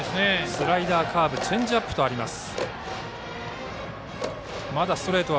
スライダー、カーブチェンジアップとあります。